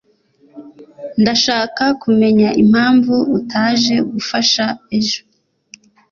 Ndashaka kumenya impamvu utaje gufasha ejo.